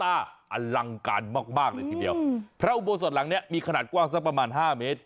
อลังการมากมากเลยทีเดียวพระอุโบสถหลังเนี้ยมีขนาดกว้างสักประมาณห้าเมตร